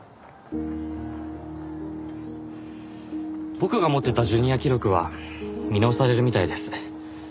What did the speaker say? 僕が持ってたジュニア記録は見直されるみたいです。